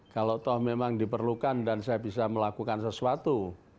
kalau toh memang diperlukan dan saya bisa melakukan sesuatu